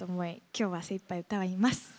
きょうは精いっぱい歌います。